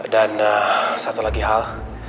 dan satu lagi hal